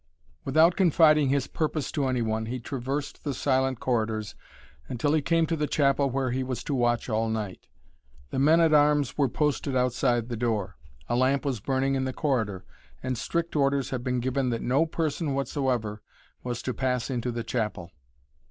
Without confiding his purpose to any one, he traversed the silent corridors until he came to the chapel where he was to watch all night. The men at arms were posted outside the door. A lamp was burning in the corridor, and strict orders had been given that no person whatsoever was to pass into the chapel.